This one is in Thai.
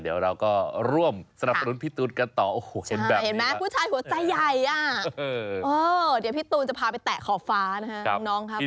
เดี๋ยวเราก็ร่วมสนับสนุนพี่ตูนกันต่อ